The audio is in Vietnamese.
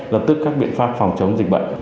lập tức các biện pháp phòng chống dịch bệnh